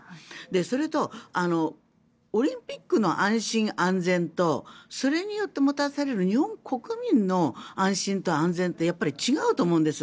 それとオリンピックの安心安全とそれによってもたらされる日本国民の安心と安全ってやっぱり違うと思うんです。